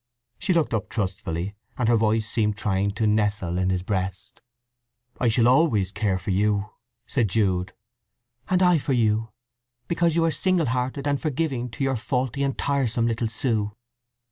She looked up trustfully, and her voice seemed trying to nestle in his breast. "I shall always care for you!" said Jude. "And I for you. Because you are single hearted, and forgiving to your faulty and tiresome little Sue!"